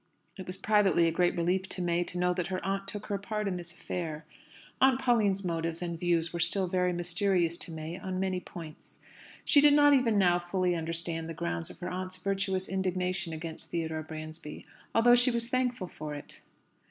It was privately a great relief to May to know that her aunt took her part in this affair. Aunt Pauline's motives and views were still very mysterious to May on many points. She did not even now fully understand the grounds of her aunt's virtuous indignation against Theodore Bransby, although she was thankful for it.